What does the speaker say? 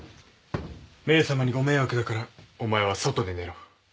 メイさまにご迷惑だからお前は外で寝ろ。